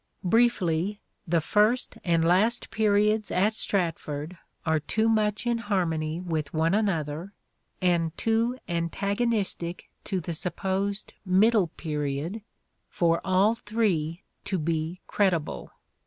Briefly, the first and last periods at Stratford are too much in harmony with one another, and too antagonistic to the supposed middle period for all three to be credible.